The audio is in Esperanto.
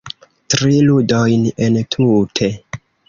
Tri ludojn entute